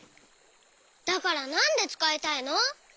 だからなんでつかいたいの？